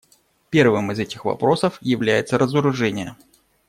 Первым из этих вопросов является разоружение.